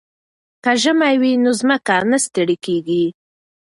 که ژمی وي نو ځمکه نه ستړې کیږي.